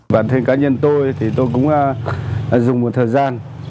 bản thân cá nhân tôi thì tôi cũng dùng một thời gian